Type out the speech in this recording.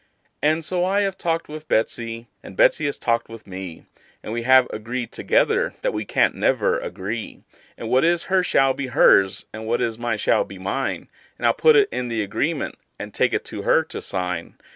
And so I have talked with Betsey, and Betsey has talked with me, And we have agreed together that we can't never agree; And what is hers shall be hers, and what is mine shall be mine; And I'll put it in the agreement, and take it to her to sign.